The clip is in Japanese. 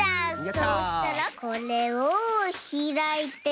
そしたらこれをひらいて。